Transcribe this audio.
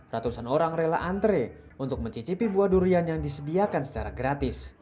ratusan orang rela antre untuk mencicipi buah durian yang disediakan secara gratis